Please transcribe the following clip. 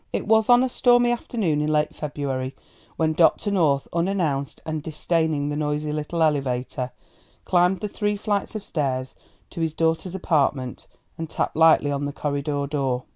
It was on a stormy afternoon in late February when Dr. North, unannounced and disdaining the noisy little elevator, climbed the three flights of stairs to his daughter's apartment and tapped lightly on the corridor door.